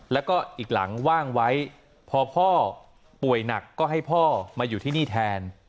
แล้วก็อีกหลังว่างไว้พอพ่อป่วยหนักก็ให้พ่อมาอยู่ที่นี่แทน